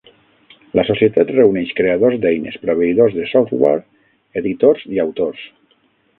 La societat reuneix creadors d'eines, proveïdors de software, editors i autors.